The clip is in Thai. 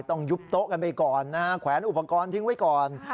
ต้องยุบโต๊ะกันไปก่อนนะฮะแขวนอุปกรณ์ทิ้งไว้ก่อน